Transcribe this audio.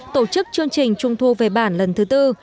tổ chức chương trình trung thu về bản lần thứ tư